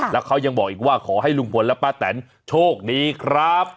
แล้วเขายังบอกอีกว่าขอให้ลุงพลและป้าแตนโชคดีครับ